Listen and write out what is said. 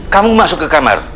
kamu masuk ke kamar